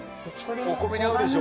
お米に合うでしょ！